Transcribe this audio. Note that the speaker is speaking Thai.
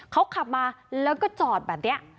เขาขับมาแล้วก็จอดแบบนี้